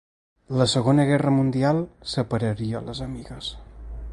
La Segona Guerra Mundial separaria les amigues.